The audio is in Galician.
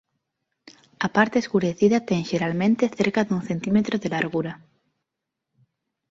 A parte escurecida ten xeralmente cerca dun centímetro de largura.